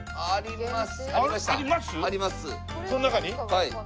はい。